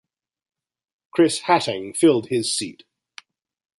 Chris Hattingh filled his seat.